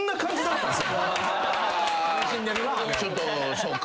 そうか。